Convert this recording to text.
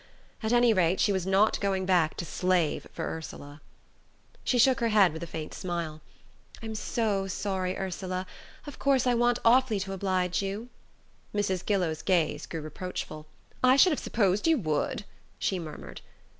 At any rate, she was not going back to slave for Ursula. She shook her head with a faint smile. "I'm so sorry, Ursula: of course I want awfully to oblige you " Mrs. Gillow's gaze grew reproachful. "I should have supposed you would," she murmured.